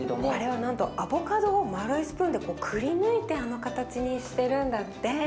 あれはなんとアボカドを丸いスプーンでくりぬいてあの形にしてるんだって。